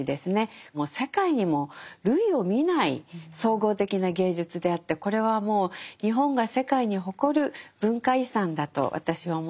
もう世界にも類を見ない総合的な芸術であってこれはもう日本が世界に誇る文化遺産だと私は思っております。